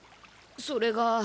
それが。